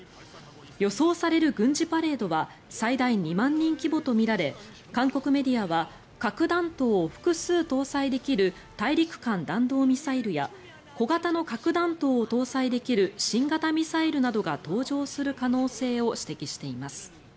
予想される軍事パレードは最大２万人規模とみられ韓国メディアは核弾頭を複数搭載できる大陸間弾道ミサイルや小型の核弾頭を搭載できる新型ミサイルなどが登場する可能性を指摘しています。